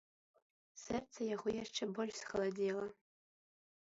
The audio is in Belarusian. Сэрца яго яшчэ больш схаладзела.